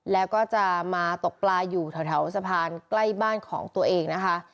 แล้วก็จะมาตกปลาอยู่แถวสะพานใกล้บ้านของตัวเองนะคะ